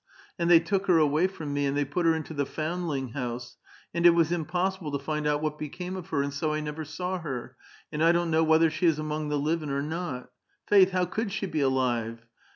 And the}' took her away from me, aud they put her into the Foundling House ; and it was impossible to find out what became of her, and so I never saw her, and I don't know whether she is among the livin' or not. Faith, how could she be alive